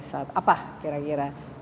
saat apa kira kira